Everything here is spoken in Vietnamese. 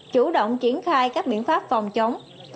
chủ động triển khai các biện pháp phòng chống